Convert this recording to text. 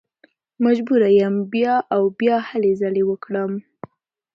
مجبوره یم بیا او بیا هلې ځلې وکړم.